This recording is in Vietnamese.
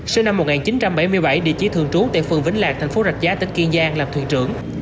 sinh năm một nghìn chín trăm bảy mươi bảy địa chỉ thường trú tại phường vĩnh lạc thành phố rạch giá tỉnh kiên giang làm thuyền trưởng